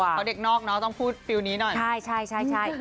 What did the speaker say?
เพราะเด็กนอกเนอะต้องพูดฟิลล์นี้หน่อยใช่ใช่